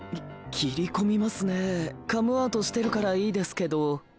切り込みますねカムアウトしてるからいいですけど。